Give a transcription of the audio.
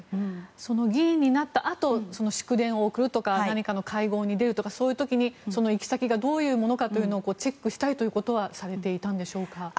議員になったあと祝電を送るとか何かの会合に出るとかそういう時にその行き先がどういうものかとチェックしたりということはされていたんでしょうか？